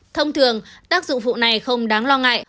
thông thường tác dụng vụ này không đáng lo ngại